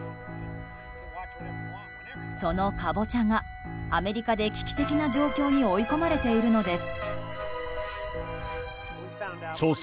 そのカボチャがアメリカで危機的な状況に追い込まれているのです。